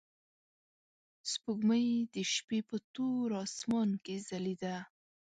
سپوږمۍ د شپې په تور اسمان کې ځلېده.